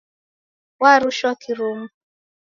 Warushwa kirumbu